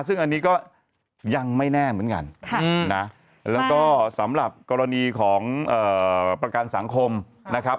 ซึ่งอันนี้ก็ยังไม่แน่เหมือนกันนะแล้วก็สำหรับกรณีของประกันสังคมนะครับ